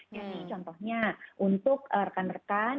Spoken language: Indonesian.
jadi contohnya untuk rekan rekan